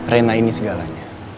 rena ini segalanya